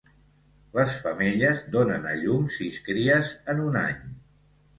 Les femelles donen a llum sis cries en un any.